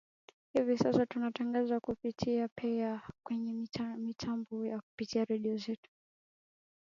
hivi sasa tunatangaza kupitia pia kwenye mitambo ya kupitia redio zetu